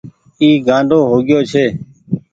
اي گآنڊو هو گيو ڇي ۔